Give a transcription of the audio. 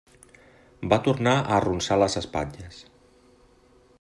Va tornar a arronsar les espatlles.